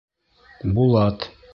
Булат.